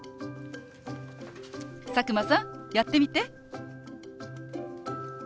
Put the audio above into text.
佐久間さんやってみて。